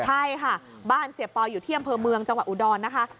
ใช่ค่ะบ้านเสียปออยู่ที่อำเภอเมืองจังหวัดอุดรนะคะ